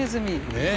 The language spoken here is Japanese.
ねえ。